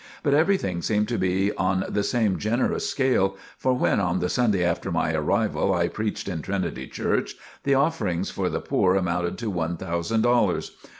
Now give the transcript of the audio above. But everything seemed to be on the same generous scale, for when on the Sunday after my arrival, I preached in Trinity Church, the offerings for the poor amounted to one thousand dollars.